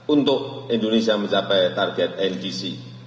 untuk indonesia mencapai target ndc